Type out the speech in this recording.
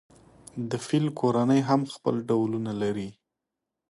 د فیل کورنۍ هم خپل ډولونه لري.